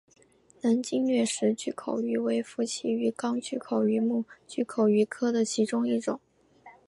南极掠食巨口鱼为辐鳍鱼纲巨口鱼目巨口鱼科的其中一种。